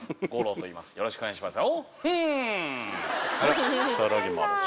よろしくお願いしますよ。